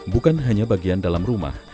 bukan hanya bagian dalam rumah